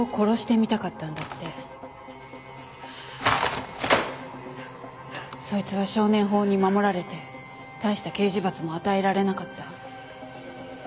新聞をたたきつける音そいつは少年法に守られて大した刑事罰も与えられなかった。